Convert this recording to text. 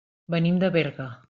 Venim de Berga.